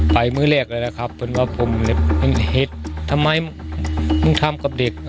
ไปมือแรกเลยแหละครับเพราะว่าผมเห็ดทำไมมึงทำกับเด็ก